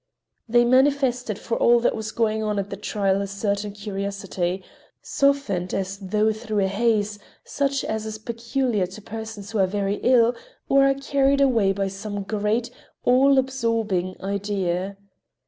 They manifested for all that was going on at the trial a certain curiosity, softened, as though through a haze, such as is peculiar to persons who are very ill or are carried away by some great, all absorbing idea.